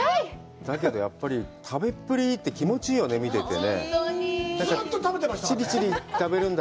だけど、やっぱり、食べっぷりがいいって、気持ちがいいよね、見てて。